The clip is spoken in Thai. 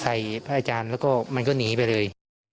พระอาจารย์แล้วก็มันก็หนีไปเลย